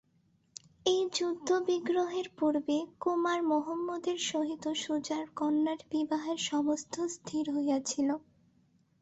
এই যুদ্ধবিগ্রহের পূর্বে কুমার মহম্মদের সহিত সুজার কন্যার বিবাহের সমস্ত স্থির হইয়াছিল।